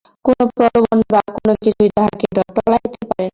কোন প্রলোভন বা কোনকিছুই তাঁহাকে টলাইতে পারে না।